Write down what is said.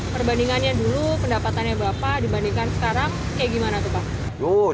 perbandingannya dulu pendapatannya bapak dibandingkan sekarang kayak gimana tuh pak